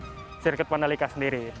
dan ini adalah sirkuit mandelika sendiri